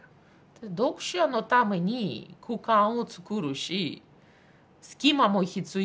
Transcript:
読者のために空間をつくるし隙間も必要で。